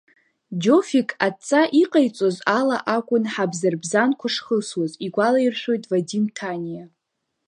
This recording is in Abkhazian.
Џьофик адҵа иҟаиҵоз ала акәын ҳабзарбзанқәа шхысуаз, игәалаиршәоит Вадим Ҭаниа.